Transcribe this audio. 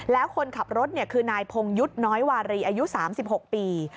แล้วคนขับรถคือนายพงยุทธ์น้อยวารีอายุ๓๖ปี